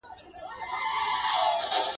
چي کله په کرهنیزو لاس ته راوړنو کي